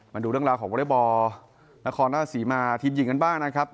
มาดูเรื่องราวของวอเล็กบอลนครราชศรีมาทีมหญิงกันบ้างนะครับ